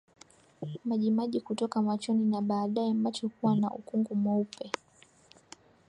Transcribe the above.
Majimaji kutoka machoni na baadaye macho kuwa na ukungu mweupe